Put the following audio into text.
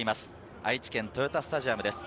愛知県、豊田スタジアムです。